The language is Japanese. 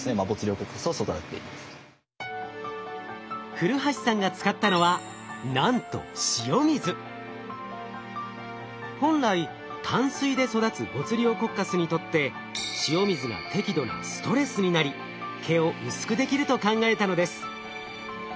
古橋さんが使ったのはなんと本来淡水で育つボツリオコッカスにとって塩水が適度なストレスになり毛を薄くできると考えたのです。